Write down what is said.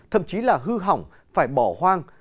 thậm chí là hư hỏng phải bỏ hoang